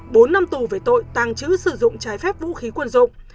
bốn năm tù về tội tàng trữ sử dụng trái phép vũ khí quân dụng